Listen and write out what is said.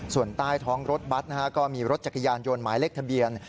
ส่วนใต้ท้องรถบัตรก็มีรถจักรยานยนต์หมายเลขทะเบียน